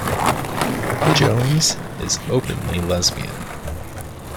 Jones is openly lesbian.